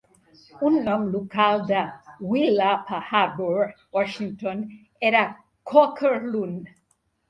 Un nom local de Willapa Harbor, Washington, era "Quaker loon".